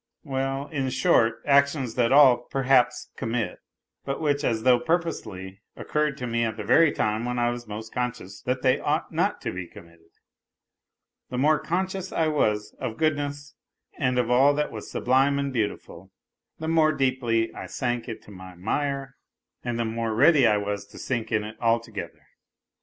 ... Well, in short, actions that all, perhaps, commit; 54 NOTES FROM UNDERGROUND but which, as though purposely, occurred to me at the very time when I was most conscious that they ought not to be committed, The more conscious I was of goodness and of all that was " good and beautiful," the more deeply I sank into my mire and the more ready I was to sink in it altogether.